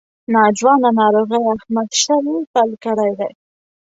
ناځوانه ناروغۍ احمد شل پل کړی دی.